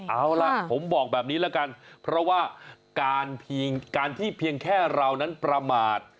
เอาล่ะผมบอกแบบนี้แล้วกันเพราะว่าการที่เพียงแค่เรานั้นประมาท